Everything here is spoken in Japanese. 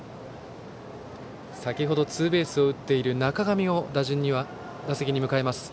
先程、ツーベースを打っている中上を打席に迎えます。